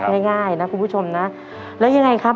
ง่ายนะคุณผู้ชมนะแล้วยังไงครับ